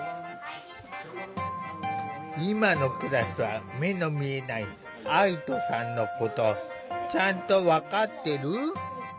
今のクラスは目の見えない愛土さんのことちゃんと分かってる？